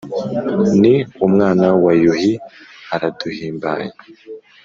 ni umwana wa yuhi araduhimbaye.